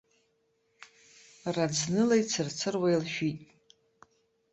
Раӡныла ицырцыруа илшәит.